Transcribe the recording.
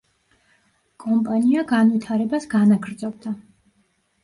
კომპანია განვითარებას განაგრძობდა.